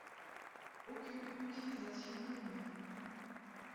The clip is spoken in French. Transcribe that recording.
Aucune utilisation connue.